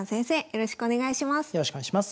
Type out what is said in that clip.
よろしくお願いします。